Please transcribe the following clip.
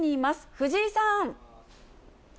藤井さん。